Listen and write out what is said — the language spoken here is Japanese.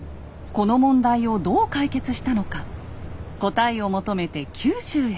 この問題をどう解決したのか答えを求めて九州へ。